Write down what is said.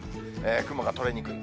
雲が取れにくい。